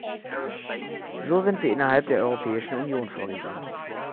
So sind wir innerhalb der Europäischen Union vorgegangen.